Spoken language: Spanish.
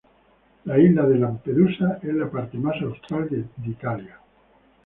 La isla de Lampedusa es la parte más austral de Italia.